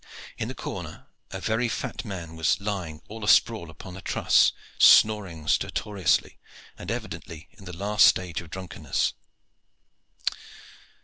In the corner a very fat man was lying all a sprawl upon a truss, snoring stertorously, and evidently in the last stage of drunkenness.